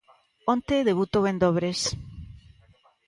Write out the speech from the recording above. Onte debutou en dobres.